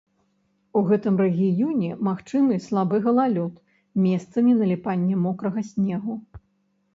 У гэтым рэгіёне магчымы слабы галалёд, месцамі наліпанне мокрага снегу.